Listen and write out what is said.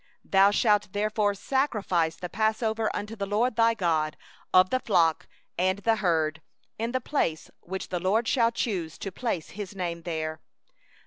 2And thou shalt sacrifice the passover offering unto the LORD thy God, of the flock and the herd, in the place which the LORD shall choose to cause His name to dwell there.